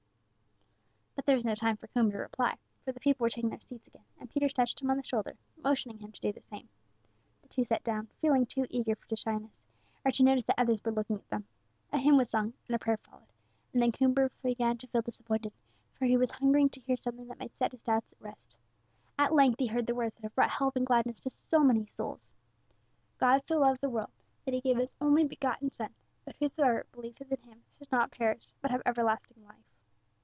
But there was no time for Coomber to reply, for the people were taking their seats again, and Peters touched him on the shoulder, motioning him to do the same. The two sat down, feeling too eager for shyness, or to notice that others were looking at them. A hymn was sung, and a prayer followed, and then Coomber began to feel disappointed, for he was hungering to hear something that might set his doubts at rest. At length he heard the words that have brought help and gladness to so many souls: "God so loved the world, that He gave His only begotten Son, that whosoever believeth in Him should not perish, but have everlasting life."